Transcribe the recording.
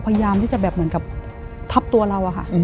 พยายามที่จะแบบเหมือนกับทับตัวเราอะค่ะ